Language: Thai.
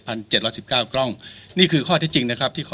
เจ็ดร้อยสิบเก้ากล้องนี่คือข้อที่จริงนะครับที่ขอ